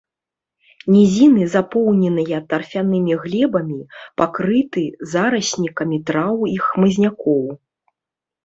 Нізіны, запоўненыя тарфянымі глебамі, пакрыты зараснікамі траў і хмызнякоў.